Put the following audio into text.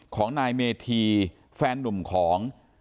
ของนายเมธีแฟนนุ่มของ